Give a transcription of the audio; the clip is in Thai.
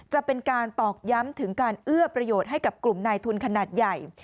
จะเป็นการตอกย้ำถึงการเอื้อประโยชน์ให้กับกลุ่มนายทุนขนาดใหญ่